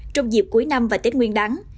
trong dịp cuối năm và tết nguyên đắng